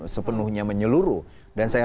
sepenuhnya menyeluruh dan saya